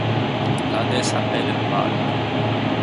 L'ânesse appelle le mâle.